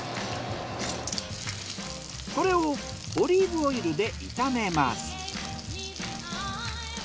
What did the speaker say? これをオリーブオイルで炒めます。